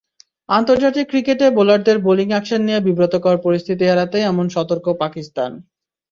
আন্তর্জাতিক ক্রিকেটে বোলারদের বোলিং অ্যাকশন নিয়ে বিব্রতকর পরিস্থিতি এড়াতেই এমন সতর্ক পাকিস্তান।